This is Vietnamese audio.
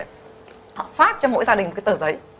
họ phát cho mỗi gia đình cái tờ giấy